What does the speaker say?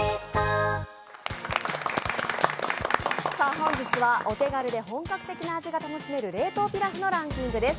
本日はお手軽で本格的な味が楽しめる冷凍ピラフのランキングです。